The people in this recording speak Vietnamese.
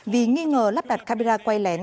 vì nghi ngờ lắp đặt camera quay lén